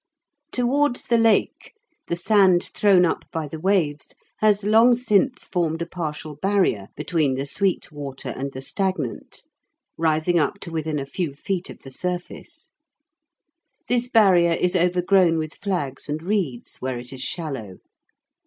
Towards the Lake the sand thrown up by the waves has long since formed a partial barrier between the sweet water and the stagnant, rising up to within a few feet of the surface. This barrier is overgrown with flags and reeds, where it is shallow.